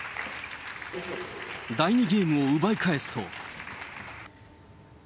第２ゲームを奪い返すと。